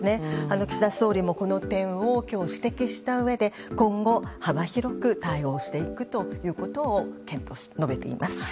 岸田総理もこの点を今日、指摘したうえで今後、幅広く対応していくということを述べています。